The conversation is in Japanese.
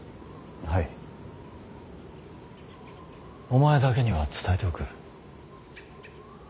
お前だけには伝えておく。